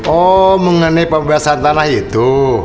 oh mengenai pembebasan tanah itu